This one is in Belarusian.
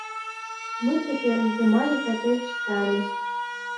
Мы цяпер здымалі катэдж самі.